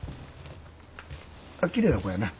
きれいな子やな。